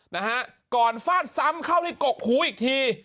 นะฮะก่อนฟาดซ้ำเข้าที่กกหูอีกที